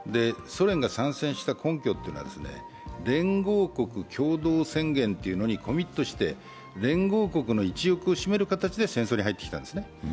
ソ連が参戦した根拠というのは連合国共同宣言というのにコミットして連合国の一翼を占める形で戦争に入ってきたんですね。